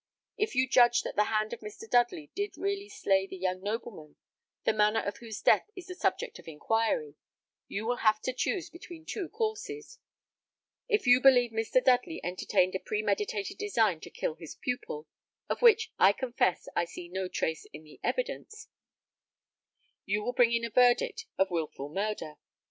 If you judge that the hand of Mr. Dudley did really slay the young nobleman, the manner of whose death is the subject of inquiry, you will have to choose between two courses. If you believe Mr. Dudley entertained a premeditated design to kill his pupil of which, I confess, I see no trace in the evidence you will bring in a verdict of 'Wilful Murder.'